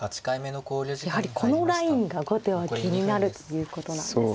やはりこのラインが後手は気になるということなんですね。